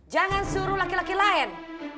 jangan suruh laki laki lain